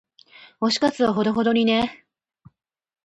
推し活はほどほどにね。